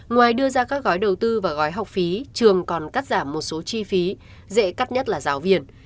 ngoài đưa ra các gói đầu tư và gói học phí trường còn cắt giảm một số chi phí dễ cắt nhất là giáo viên